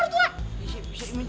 engarang aja calon mertua